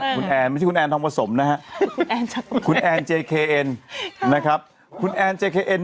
คุณเอาออกมาหน่อยเร็วคุณไม่หาคุณค่ะ